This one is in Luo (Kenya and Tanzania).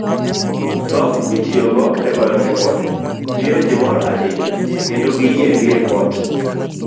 Dhok mitiyogo e goyo ripode, miyo ji mor ahinya kendo giyie gi ripot.